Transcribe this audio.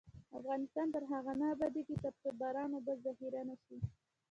افغانستان تر هغو نه ابادیږي، ترڅو باران اوبه ذخیره نشي.